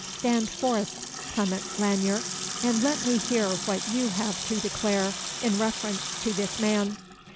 Stand forth, Clement Lanyere and let me hear what you have to declare in reference to this man."